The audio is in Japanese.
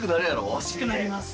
欲しくなります。